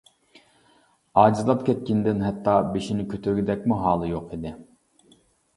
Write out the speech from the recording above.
ئاجىزلاپ كەتكىنىدىن ھەتتا بېشىنى كۆتۈرگۈدەكمۇ ھالى يوق ئىدى.